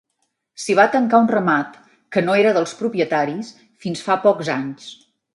S'hi va tancar un ramat, que no era dels propietaris, fins fa pocs anys.